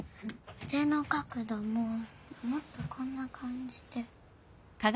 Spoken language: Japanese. うでの角度ももっとこんなかんじで。